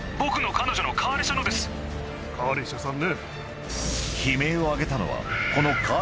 カーレシャさんね。